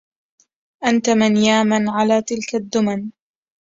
أنت من يا من على تلك الدمن